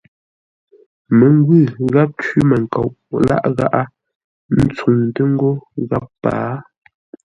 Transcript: Məngwʉ̂ gháp cwímənkoʼ láʼ ngáʼá ntsuŋtə́ ńgó gháp pâa.